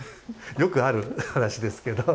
よくある話ですけど。